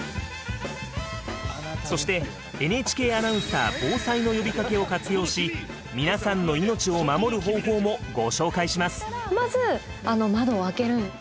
そしてＮＨＫアナウンサー防災の呼びかけを活用し皆さんの命を守る方法もご紹介します。